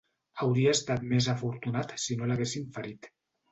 Hauria estat més afortunat si no l'haguessin ferit